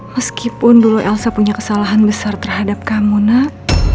meskipun dulu elsa punya kesalahan besar terhadap kamu nak